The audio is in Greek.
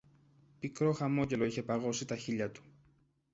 Πικρό χαμόγελο είχε παγώσει τα χείλια του.